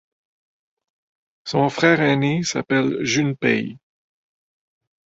Son frère aîné s'appelle Junpei.